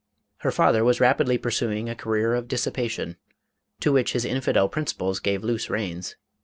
Her father was rapidly pursuing a career of dissipation, to which his infidel principles gave loose reins.